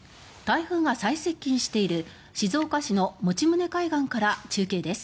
台風が最接近している静岡市の用宗海岸から中継です。